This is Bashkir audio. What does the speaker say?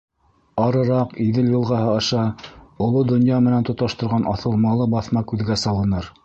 Арыраҡ Иҙел йылғаһы аша оло донъя менән тоташтырған аҫылмалы баҫма күҙгә салыныр.